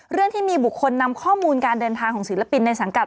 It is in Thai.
เรื่องที่มีบุคคลนำข้อมูลการเดินทางของศิลปินในสังกัด